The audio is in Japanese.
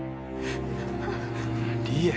理恵。